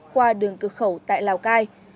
qua đường cửa khẩu tại lào cai